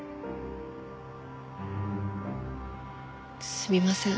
すみません